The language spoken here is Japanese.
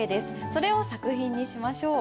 それを作品にしましょう。